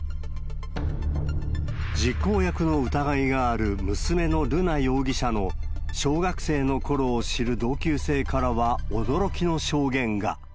実行役の疑いがある娘の瑠奈容疑者の小学生のころを知る同級生からは、驚きの証言が。